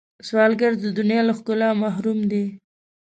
سوالګر د دنیا له ښکلا محروم دی